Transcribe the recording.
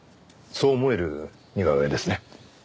そう思える似顔絵ですね。